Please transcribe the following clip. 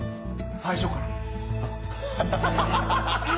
最初から。